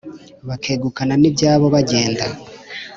bakegukana n’ibyabo bagenda